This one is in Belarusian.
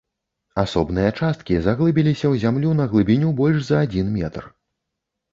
Асобныя часткі заглыбіліся ў зямлю на глыбіню больш за адзін метр.